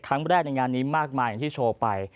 ครั้งแรกในงานนี้มากมายอย่างที่โชว์ไป